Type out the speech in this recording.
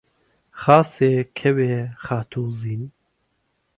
خاسێ، کەوێ، خاتووزین